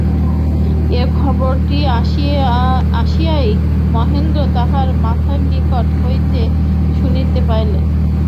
এই খবরটি আসিয়াই মহেন্দ্র তাঁহার মাতার নিকট হইতে শুনিতে পাইলেন।